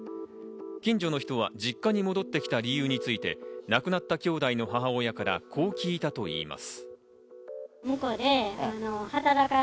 近所の人は実家に戻ってきた理由について亡くなった兄弟の母親からこう聞いたといいます。